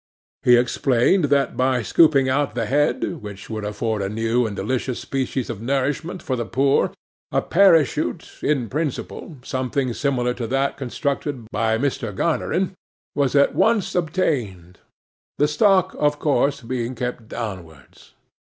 He explained that by scooping out the head, which would afford a new and delicious species of nourishment for the poor, a parachute, in principle something similar to that constructed by M. Garnerin, was at once obtained; the stalk of course being kept downwards.